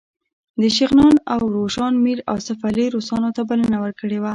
د شغنان او روشان میر آصف علي روسانو ته بلنه ورکړې وه.